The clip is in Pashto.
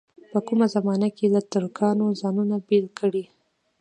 په کومه زمانه کې له ترکانو ځانونه بېل کړي.